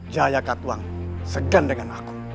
jaya katuang segan dengan aku